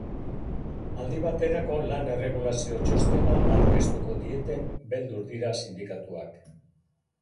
Aldi baterako lan erregulazio txostena aurkeztuko dieten beldur dira sindikatuak.